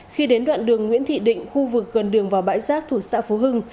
khi đến đoạn đường nguyễn thị định khu vực gần đường vào bãi rác thuộc xã phú hưng